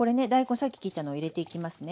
さっき切ったのを入れていきますね。